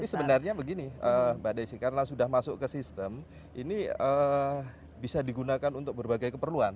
sebenarnya begini mbak desi karena sudah masuk ke sistem ini bisa digunakan untuk berbagai keperluan